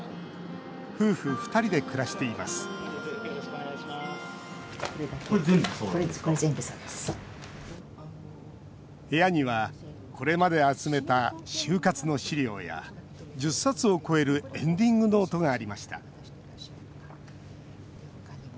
夫婦２人で暮らしています部屋にはこれまで集めた終活の資料や１０冊を超えるエンディングノートがありました。